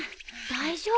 大丈夫？